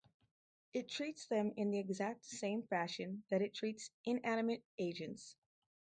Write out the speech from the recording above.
It treats them in the exact same fashion that it treats inanimate agents.